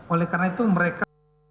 oleh karena itu mereka